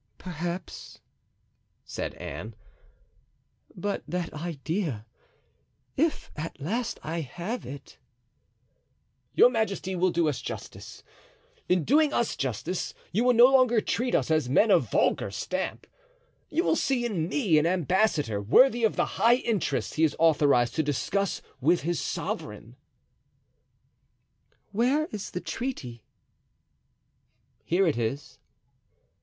"Perhaps," said Anne; "but that idea, if at last I have it——" "Your majesty will do us justice. In doing us justice you will no longer treat us as men of vulgar stamp. You will see in me an ambassador worthy of the high interests he is authorized to discuss with his sovereign." "Where is the treaty?" "Here it is."